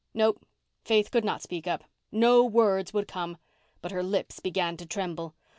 No. Faith could not speak up. No words would come. But her lips began to tremble.